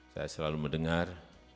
saya selalu mendengar